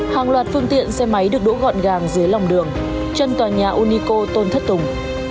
hàng loạt phương tiện xe máy được đỗ gọn gàng dưới lòng đường chân tòa nhà unico tôn thất tùng